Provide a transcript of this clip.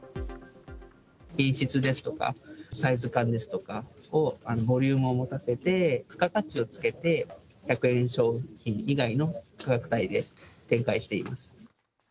品質ですとか、サイズ感ですとかをボリュームを持たせて、付加価値をつけて、１００円商品以外の価格帯で展開しています。